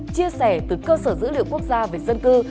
chia sẻ từ cơ sở dữ liệu quốc gia về dân cư